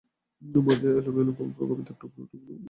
মাঝে মাঝে এলোমেলো গল্প, কবিতার টুকরো টুকরো অংশ ছড়িয়ে ছিটিয়ে আছে।